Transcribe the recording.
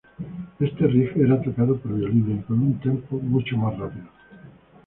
Este riff era tocado por violines y con un tempo mucho más rápido.